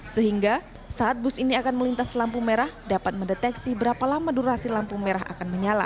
sehingga saat bus ini akan melintas lampu merah dapat mendeteksi berapa lama durasi lampu merah akan menyala